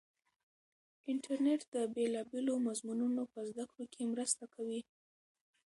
انټرنیټ د بېلابېلو مضمونو په زده کړه کې مرسته کوي.